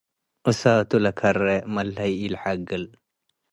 እሳቱ ለከሬ መለሀይ ኢለሐግል።